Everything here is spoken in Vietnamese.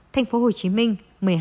thành phố hồ chí minh một mươi hai